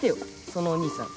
そのお兄さん。